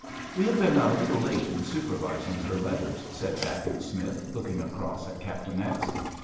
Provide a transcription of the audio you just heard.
"We have been a little late in supervising her letters," said Dacent Smith, looking across at Captain X.